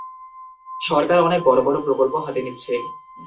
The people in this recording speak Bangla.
সরকার অনেক বড় বড় প্রকল্প হাতে নিচ্ছে।